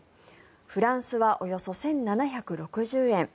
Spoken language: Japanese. フランスはおよそ１７６０円